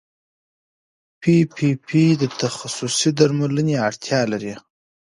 پي پي پي د تخصصي درملنې اړتیا لري.